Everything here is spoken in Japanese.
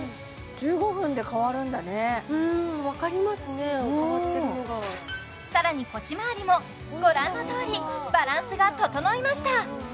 １５分で変わるんだね分かりますね変わってるのがさらに腰まわりもご覧のとおりバランスが整いました